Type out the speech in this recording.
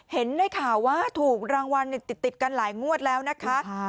เห็นในข่าวว่าถูกรางวัลติดกันหลายงวดแล้วนะคะ